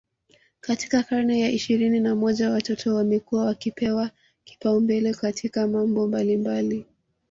katika karne ya ishirini na moja watoto wamekuwa wakipewa kipaumbele katika mambo mbalimbali